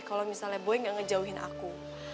kalau misalnya gue gak ngejauhin aku